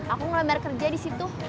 aku melebar kerja di situ